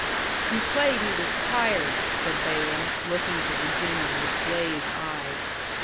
"He played he was tired," said Balaam, looking at the Virginian with glazed eyes.